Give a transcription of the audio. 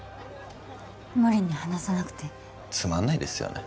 無理に話さなくてつまんないですよね